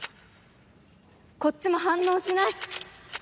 こっちも反応しない！